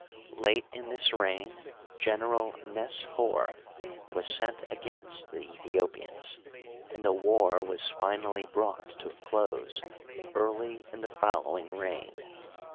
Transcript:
Late in this reig^ General Nes Hor was sent against the Aethiopians, and the war was finally brought to a close early in the following reign.